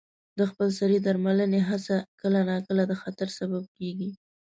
د خپل سرې درملنې هڅه کله ناکله د خطر سبب کېږي.